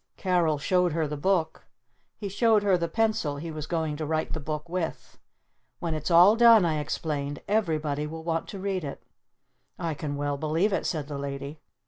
Carol showed her the book. He showed her the pencil he was going to write the book with. "When it's all done," I explained, "everybody will want to read it!" "I can well believe it," said the Lady.